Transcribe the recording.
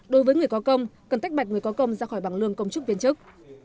đối với người có công cần tách bạch người có công ra khỏi bằng lương công chức viên chức